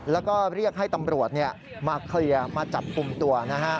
แล้วก็เรียกให้ตำรวจมาเคลียร์มาจับกลุ่มตัวนะฮะ